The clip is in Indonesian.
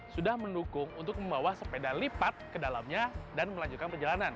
sudah mendukung untuk membawa sepeda lipat ke dalamnya dan melanjutkan perjalanan